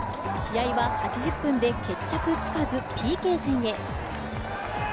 試合は８０分で決着つかずＰＫ戦へ。